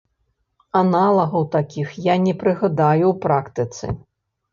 Аналагаў такіх я не прыгадаю ў практыцы.